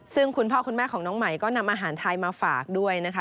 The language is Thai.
ซึ่งคุณพ่อคุณแม่ของน้องใหม่ก็นำอาหารไทยมาฝากด้วยนะคะ